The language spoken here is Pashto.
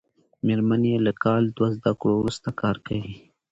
مېرمن یې له کال دوه زده کړو وروسته کار کوي.